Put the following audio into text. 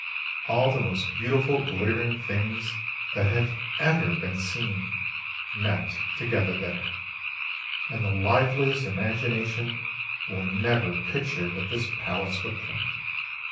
All the most beautiful glittering things that have ever been seen met together there, and the liveliest imagination will never picture what this palace looked like.